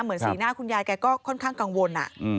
สีหน้าคุณยายแกก็ค่อนข้างกังวล